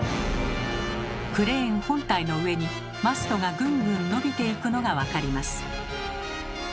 クレーン本体の上にマストがぐんぐん伸びていくのが分かります。